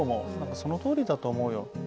そのとおりだと思うよ。